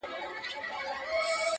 د ځوانیمرګو زړو تاوده رګونه!.